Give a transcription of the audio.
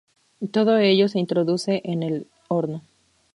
Todo ello se introduce en el horno.